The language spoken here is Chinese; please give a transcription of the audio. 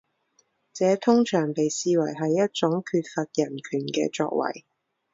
这通常被视为是一种缺乏人权的作为。